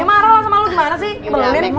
ya marah lah sama lu gimana sih